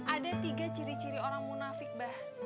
ada tiga ciri ciri orang munafik bah